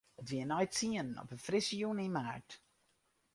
It wie nei tsienen op in frisse jûn yn maart.